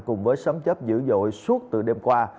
cùng với sấm chấp dữ dội suốt từ đêm qua